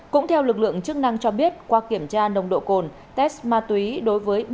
cũng theo lực lượng chức năng cho biết qua kiểm tra nồng độ cồn test ma túy đối với